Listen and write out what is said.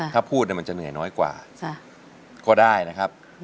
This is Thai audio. ถ้าพูดมันจะเหนื่อยน้อยกว่าก็ได้นะครับ